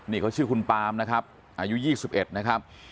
นี่เขาชื่อคุณปามนะครับอายุ๒๑นะครับ